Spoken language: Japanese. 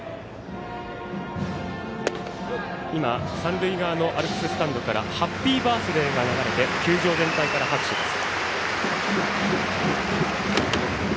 今、三塁側のアルプススタンドから「ハッピーバースデー」が流れて球場全体から拍手です。